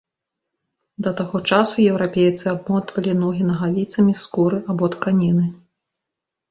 Да таго часу еўрапейцы абмотвалі ногі нагавіцамі з скуры або тканіны.